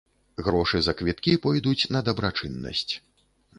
Грошы за квіткі пойдуць на дабрачыннасць.